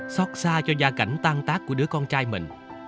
xót xa cho gia cảnh tan tác của đứa con trai mình